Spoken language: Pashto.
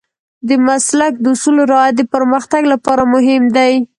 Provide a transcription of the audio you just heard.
د مسلک د اصولو رعایت د پرمختګ لپاره مهم دی.